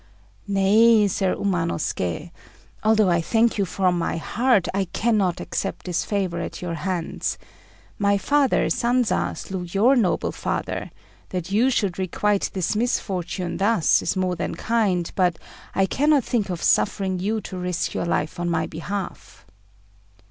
"Nay, Sir Umanosuké, although I thank you from my heart, I cannot accept this favour at your hands. My father Sanza slew your noble father: that you should requite this misfortune thus is more than kind, but I cannot think of suffering you to risk your life on my behalf."